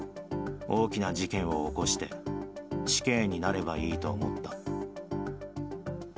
大きな事件を起こして死刑になればいいと思った。